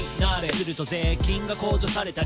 「すると税金が控除されたり」